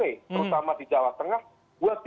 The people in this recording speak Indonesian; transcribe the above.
terutama di jawa tengah